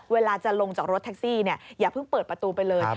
เวลาจะลงจากรถแท็กซี่อย่าเพิ่งเปิดประตูไปเลย